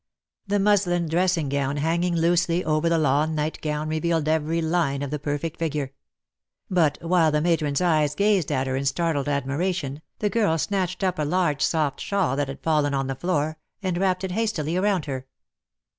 The muslin dressing gown hanging loosely over the lawn night gown revealed every line of the perfect figure; but, while the matron's eyes gazed at her in startled admiration, the girl snatched up a large soft shawl that had fallen on the floor, and wrapped it hastily round her.